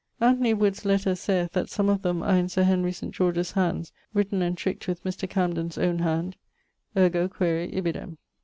Anthony Wood's lettre sayth that some of them are in Sir Henry St. George's hands, 'written and tricked with Mr. Camden's owne hand': ergo quaere ibidem.